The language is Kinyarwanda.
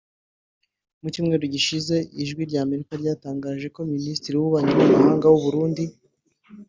Mu Cyumweru gishize Ijwi ry’Amerika ryatangaje ko Minisitiri w’Ububanyi n’Amahanga w’u Burundi